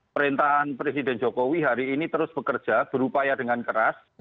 perintahan presiden jokowi hari ini terus bekerja berupaya dengan keras